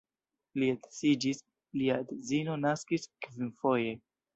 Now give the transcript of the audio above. Li edziĝis, lia edzino naskis kvinfoje.